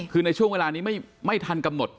คือในช่วงเวลานี้ไม่ทันกำหนด